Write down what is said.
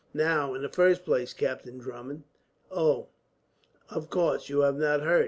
"Now, in the first place, Captain Drummond. "Oh, of course, you have not heard!"